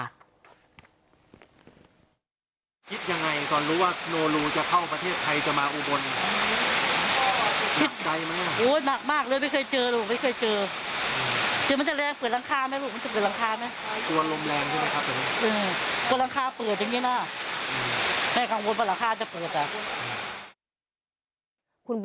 คิดยังไงตอนรู้ว่าโนรูจะเข้าประเทศไทยจะมาอุบล